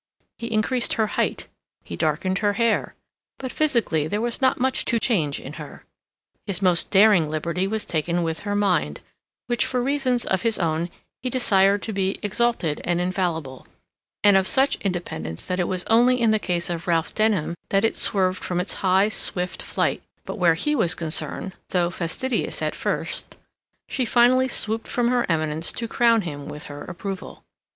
He increased her height, he darkened her hair; but physically there was not much to change in her. His most daring liberty was taken with her mind, which, for reasons of his own, he desired to be exalted and infallible, and of such independence that it was only in the case of Ralph Denham that it swerved from its high, swift flight, but where he was concerned, though fastidious at first, she finally swooped from her eminence to crown him with her approval.